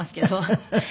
フフフフ。